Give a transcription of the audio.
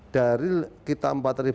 dari kita empat lima ratus